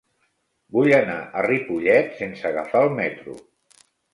Vull anar a Ripollet sense agafar el metro.